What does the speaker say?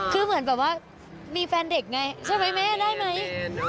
คือเหมือนแบบว่ามีแฟนเด็กไงใช่ไหมแม่ได้ไหม